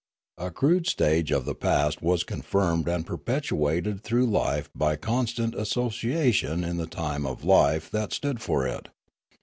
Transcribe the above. A crude stage of the past was confirmed and perpetuated through life by con stant association in the time of life that stood for it.